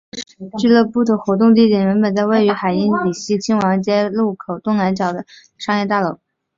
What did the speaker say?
俱乐部的活动地点原本在位于海因里希亲王街路口东南角的博德维希商业大楼。